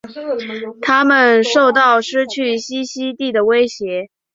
它们受到失去栖息地的威胁。